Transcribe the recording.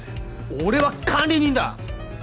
俺は管理人だ！